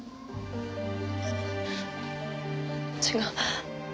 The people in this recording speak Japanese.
違う。